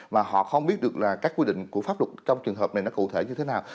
mà họ không biết được là các quy định của pháp luật trong trường hợp này nó cụ thể như thế nào